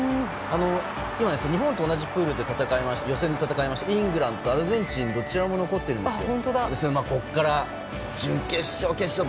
今、日本と同じプールで予選を戦いましたイングランドとアルゼンチンどちらも残っているんですよ。